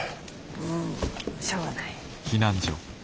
うんしょうがない。